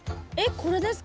これですか？